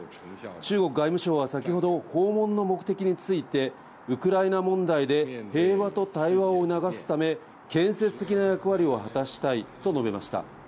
中国外務省は先ほど、訪問の目的について、ウクライナ問題で平和と対話を促すため、建設的な役割を果たしたいと述べました。